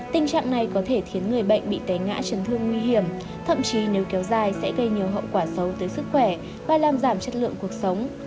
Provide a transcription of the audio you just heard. tình trạng này có thể khiến người bệnh bị té ngã chấn thương nguy hiểm thậm chí nếu kéo dài sẽ gây nhiều hậu quả xấu tới sức khỏe và làm giảm chất lượng cuộc sống